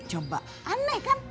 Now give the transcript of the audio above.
coba aneh kan